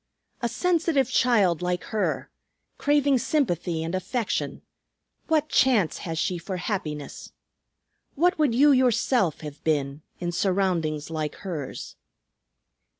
A sensitive child like her, craving sympathy and affection, what chance has she for happiness? What would you yourself have been in surroundings like hers?"